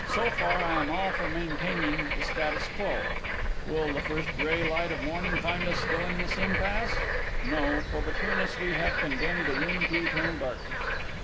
"So far, I am all for maintaining the status quo. Will the first grey light of morning find us still in this impasse? No, for between us we have condemned the room to eternal darkness.